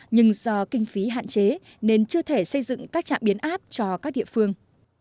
nhưng do kinh phí hạn chế nên chưa thể xây dựng các trạm biến áp cho các địa phương